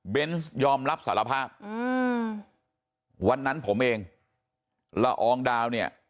ยอมรับสารภาพอืมวันนั้นผมเองละอองดาวเนี่ย